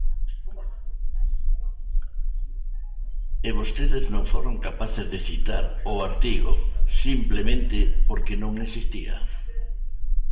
E vostedes non foron capaces de citar o artigo simplemente porque non existía.